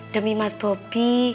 demi mas bobby